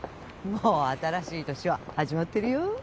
もう新しい年は始まってるよ。